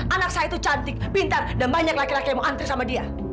anak saya itu cantik pintar dan banyak laki laki yang mau antri sama dia